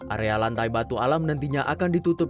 area lantai batu alam nantinya akan ditutup